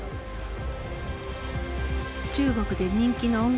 中国で人気の音楽